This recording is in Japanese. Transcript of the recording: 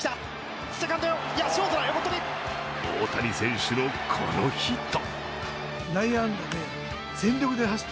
大谷選手のこのヒット。